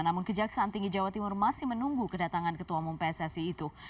namun kejaksaan tinggi jawa timur masih menunggu kedatangan ketua umum pssi itu